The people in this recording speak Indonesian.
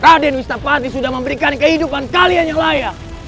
raden wistapati sudah memberikan kehidupan kalian yang layak